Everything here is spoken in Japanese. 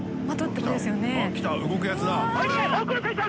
あっ来た動くやつだ！